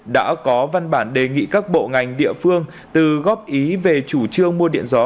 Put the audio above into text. đã có văn bản đề nghị các bộ ngành địa phương từ góp ý về chủ trương mua điện gió